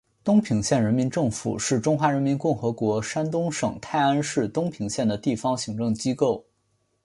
东平县人民政府是中华人民共和国山东省泰安市东平县的地方行政机构。